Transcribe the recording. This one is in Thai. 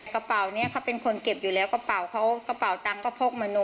กระเป๋านี้เขาเป็นคนเก็บอยู่แล้วกระเป๋าเขากระเป๋าตังค์ก็พกมโน